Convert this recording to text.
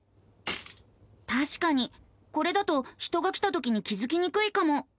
たしかにこれだと人が来たときに気付きにくいかも。